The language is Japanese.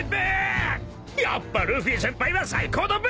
やっぱルフィ先輩は最高だべ！